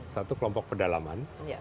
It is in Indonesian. satu kelompok pedalaman